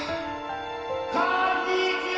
こんにちは！